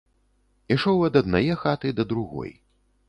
Ішоў ад аднае хаты да другой.